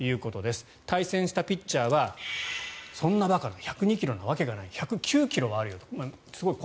対戦したピッチャーはそんな馬鹿な１０２ｋｇなわけがない１０９ｋｇはあるよ。